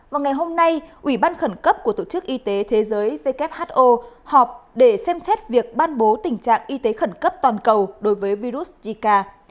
vào ngày hôm nay ủy ban khẩn cấp của tổ chức y tế thế giới who họp để xem xét việc ban bố tình trạng y tế khẩn cấp toàn cầu đối với virus zika